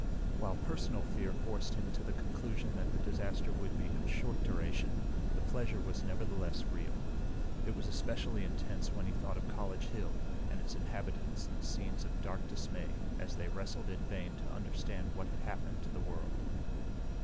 While personal fear forced him to the conclusion that the disaster would be of short duration, the pleasure was nevertheless real. It was especially intense when he thought of College Hill and its inhabitants in scenes of dark dismay as they wrestled in vain to understand what had happened to the world.